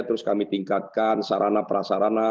terus kami tingkatkan sarana prasarana